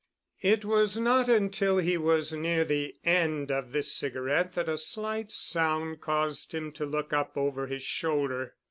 It was not until he was near the end of this cigarette that a slight sound caused him to look up over his shoulder.